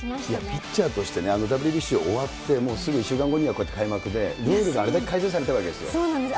ピッチャーとしてね、あのＷＢＣ終わって、もうすぐ１週間後にはこうやって開幕で、ルールがあれだけ改善さそうなんです。